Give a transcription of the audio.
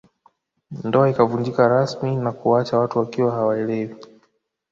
Ndoa ikavunjika rasmi na kuwaacha watu wakiwa hawaelewi